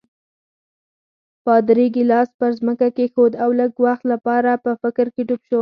پادري ګیلاس پر ځمکه کېښود او لږ وخت لپاره په فکر کې ډوب شو.